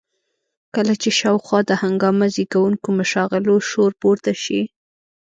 کله چې شاوخوا د هنګامه زېږوونکو مشاغلو شور پورته شي.